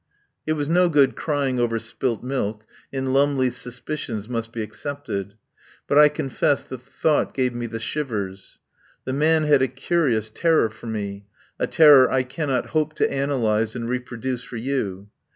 It was no good crying over spilt milk, and Lumley's suspicions must be accepted. But I confess that the thought gave me the shivers. The man had a curious terror for me, a terror I cannot hope to analyse and reproduce for you.